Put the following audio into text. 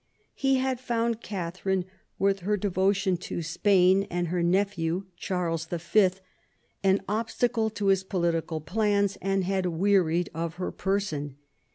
He had found Catherine, with her devotion to Spain and her nephew, Charles V., an obstacle to his political plans, and had wearied of her person.